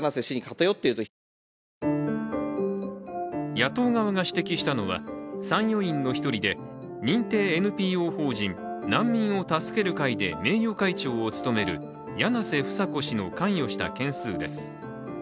野党側が指摘したのは参与員の一人で認定ＮＰＯ法人難民を助ける会で名誉会長を務める柳瀬房子氏の関与した件数です。